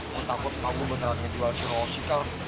gue takut kamu beneran ngedual si rosi kal